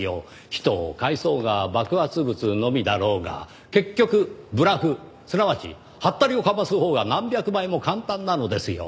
人を介そうが爆発物のみだろうが結局ブラフすなわちはったりをかますほうが何百倍も簡単なのですよ。